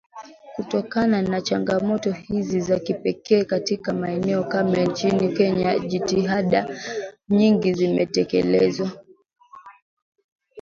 Kutokana na changamoto hizi za kipekee katika maeneo kame nchini Kenya jitihada nyingi zimetekelezwa